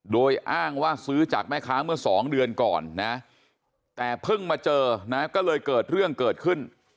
โดยอ้างว่าซื้อจากแม่ค้าเมื่อสองเดือนก่อนนะแต่เพิ่งมาเจอนะก็เลยเกิดเรื่องเกิดขึ้น